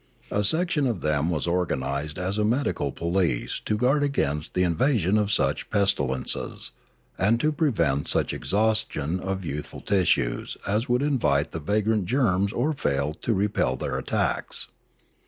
A section of them was organised as a medical police to guard against the invasion of such pestilences, and to prevent such exhaustion of youthful tissues as would invite the vagrant germs or fail to re pel their attacks.